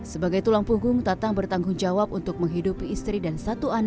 sebagai tulang punggung tatang bertanggung jawab untuk menghidupi istri dan satu anak